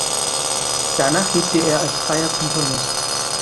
Danach lebte er als freier Komponist.